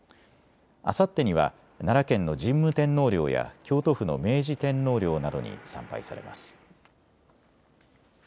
あさってには、奈良県の神武天皇陵や京都府の明治天皇陵などに参拝されます。